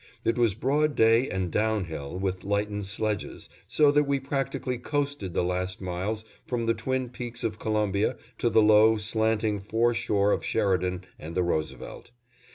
It was broad day and down hill with lightened sledges, so that we practically coasted the last miles from the twin peaks of Columbia to the low, slanting fore shore of Sheridan and the Roosevelt.